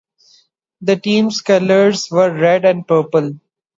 The team's colors were red and purple.